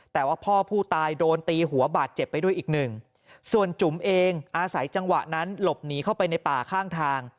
แต่ว่าพ่อผู้ตายโดนตีหัวบาดเจ็บไปด้วยอีกหนึ่งส่วนจุ๋มเองอาศัยจังหวะนั้นหลบหนีเข้าไปในป่าข้างทาง